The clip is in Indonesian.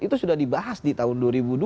itu sudah dibahas di tahun dua ribu dua